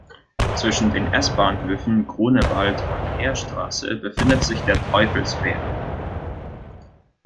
Zwischen den S-Bahnhöfen Grunewald und Heerstraße befindet sich der Teufelsberg.